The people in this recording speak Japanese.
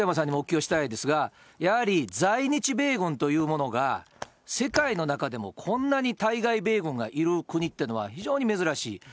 ただ、これ奥山さんにもお聞きをしたいですが、やはり、在日米軍というものが世界の中でもこんなに対外米軍がいる国っていうのは非常に珍しい。